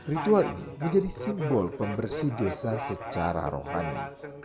ritual ini menjadi simbol pembersih desa secara rohani